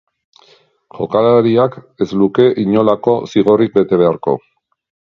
Jokalariak ezluke inolako zigorrik bete beharko.